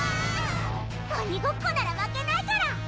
鬼ごっこなら負けないから！